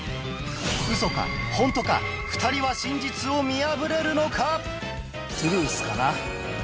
ウソかホントか２人は真実を見破れるのか？